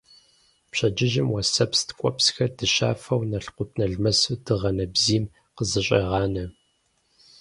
Пщэдджыжьым уэсэпс ткӀуэпсхэр дыщафэу, налкъутналмэсу дыгъэ нэбзийм къызэщӀегъанэ.